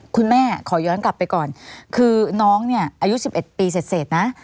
คุณแม่ขอย้อนกลับไปก่อนคือน้องเนี้ยอายุสิบเอ็ดปีเสร็จเสร็จน่ะ